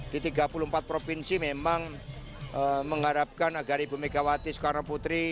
di tiga puluh empat provinsi memang mengharapkan agar ibu megawati soekarno putri